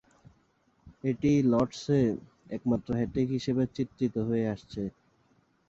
এটিই লর্ডসে একমাত্র হ্যাট্রিক হিসেবে চিত্রিত হয়ে আসছে।